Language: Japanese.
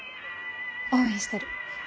応援してる。